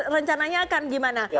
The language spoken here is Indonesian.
rencananya akan gimana